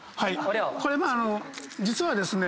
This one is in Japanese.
これ実はですね。